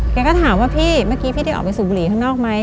แกก็ถามว่าพี่เมื่อกี้พี่ได้ออกไปสูบบุหรี่ข้างนอกไหม